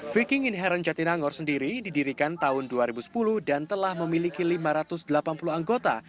viking inherent jatinangor sendiri didirikan tahun dua ribu sepuluh dan telah memiliki lima ratus delapan puluh anggota